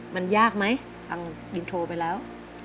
มันยากไหมฟังอินโทรไปแล้ว